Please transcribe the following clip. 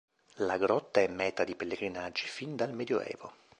La grotta è meta di pellegrinaggi fin dal medioevo.